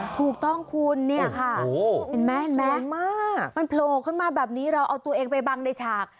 ถูกต้องคุณเนี่ยค่ะมันโผล่ขึ้นมาแบบนี้เราเอาตัวเองไปบังในฉาก